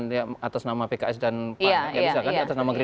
sekarang teman lakeset di anger